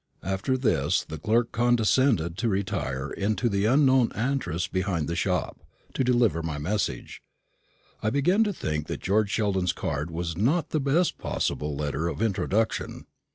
After this the clerk condescended to retire into the unknown antres behind the shop, to deliver my message. I began to think that George Sheldon's card was not the best possible letter of introduction.